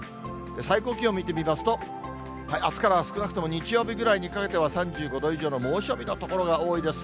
最高気温見てみますと、あすから少なくとも日曜日くらいにかけては３５度以上の猛暑日の所が多いです。